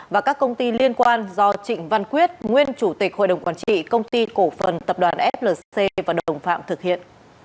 và các công ty liên quan do trịnh văn quyết nguyên chủ tịch hội đồng quản trị công ty cổ phần tập đoàn flc và đồng phạm thực hiện